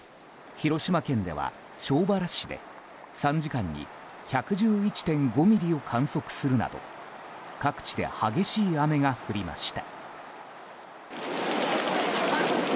広島県では庄原市で３時間に１１１．５ミリを観測するなど各地で激しい雨が降りました。